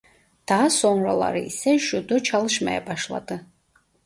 Daha sonraları ise Judo çalışmaya başladı.